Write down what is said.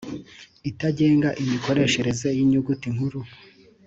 iteganya imikoreshereze y’inyuguti nkuru